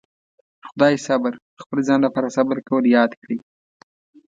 خدای صبر خپل ځان لپاره صبر کول ياد کړي.